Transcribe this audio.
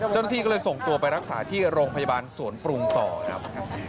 เจ้าหน้าที่ก็เลยส่งตัวไปรักษาที่โรงพยาบาลสวนปรุงต่อครับ